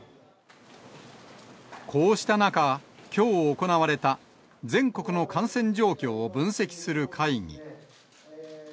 こうした中、きょう行われた、全国の感染状況を分析する会議。